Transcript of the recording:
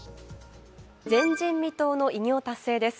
前人未到の偉業達成です。